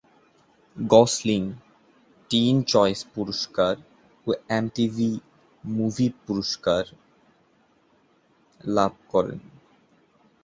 Gosling teen choice পুরস্কার ও MTV movie পুরস্কার লাভ করেন।